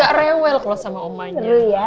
gak rewel kalau sama omanya